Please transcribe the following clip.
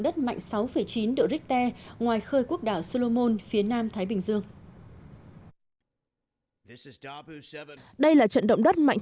đất mạnh sáu chín độ richter ngoài khơi quốc đảo solomon phía nam thái bình dương đây là trận động đất mạnh